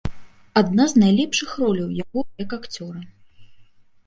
Адна з найлепшых роляў яго як акцёра.